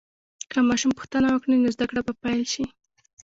که ماشوم پوښتنه وکړي، نو زده کړه به پیل شي.